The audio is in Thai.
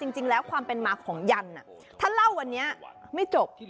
จริงแล้วความเป็นมาของยันถ้าเล่าวันนี้ไม่จบ